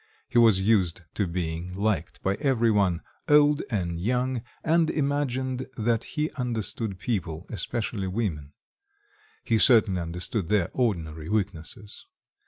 He was used to being liked by every one, old and young, and imagined that he understood people, especially women: he certainly understood their ordinary weaknesses.